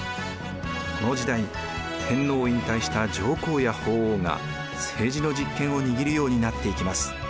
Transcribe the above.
この時代天皇を引退した上皇や法皇が政治の実権を握るようになっていきます。